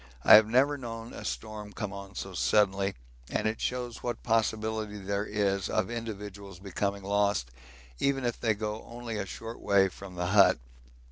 I have never known a storm come on so suddenly, and it shows what possibility there is of individuals becoming lost even if they only go a short way from the hut.